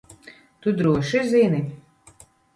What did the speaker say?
Tu droši zini?